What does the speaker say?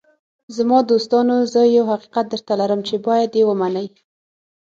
“زما دوستانو، زه یو حقیقت درته لرم چې باید یې ومنئ.